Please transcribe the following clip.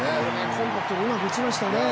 コンパクトにうまく打ちましたよね。